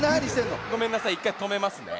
ごめんなさい１かいとめますね。